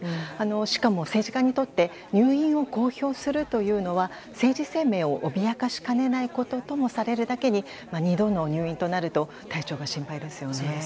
しかも政治家にとって入院を公表するというのは政治生命を脅かしかねないことともされるだけに２度の入院となると体調が心配ですね。